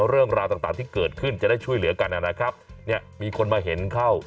เรื่องราวต่างที่เกิดขึ้นจะได้ช่วยเหลือกันนะครับเนี่ยมีคนมาเห็นเข้า